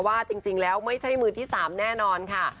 ว่าจริงแล้วไม่ใช่มือที่๓แน่นอนค่ะ